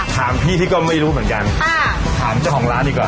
ถามพี่ที่ก็ไม่รู้เหมือนกันค่ะถามเจ้าของร้านดีกว่า